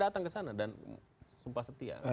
datang ke sana dan sumpah setia